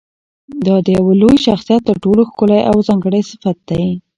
دا د یوه لوی شخصیت تر ټولو ښکلی او ځانګړی صفت دی.